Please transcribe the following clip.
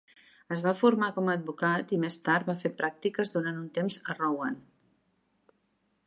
Es fa formar com a advocat i més tard va fer pràctiques durant un temps a Rouen.